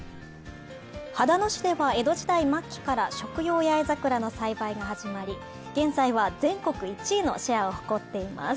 秦野市では江戸時代末期から食用八重桜の栽培が始まり、現在は全国１位のシェアを誇っています。